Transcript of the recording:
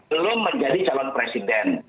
belum menjadi calon presiden